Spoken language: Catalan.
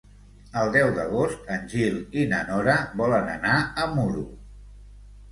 El deu d'agost en Gil i na Nora volen anar a Muro.